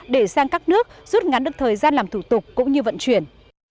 để sang các nước rút ngắn được thời gian làm thủ tục cũng như vận chuyển